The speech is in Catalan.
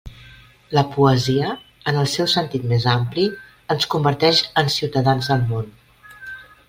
La poesia, en el seu sentit més ampli, ens convertix en ciutadans del món.